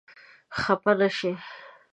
خپه نه شې.